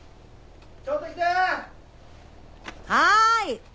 ・はい！